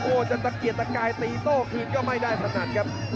จะตะเกียดตะกายตีโต้คืนก็ไม่ได้สนั่นครับ